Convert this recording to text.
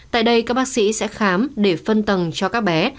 tại đây các bác sĩ sẽ khám để phân tầng cho các bé